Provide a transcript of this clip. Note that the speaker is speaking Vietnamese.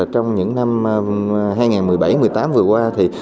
trong những năm hai nghìn một mươi bảy hai nghìn một mươi tám vừa qua thì